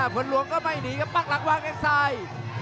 พลหลวงก็ไม่หนีครับปักหลังวางแข้งซ้าย